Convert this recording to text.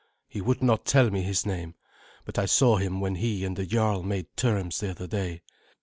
He would not tell me his name, but I saw him when he and the jarl made terms the other day.